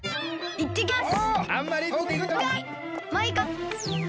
いってきます！